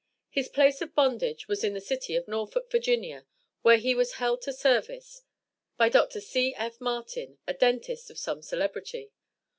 His place of bondage was in the city of Norfolk, Va., where he was held to service by Dr. C.F. Martin, a dentist of some celebrity.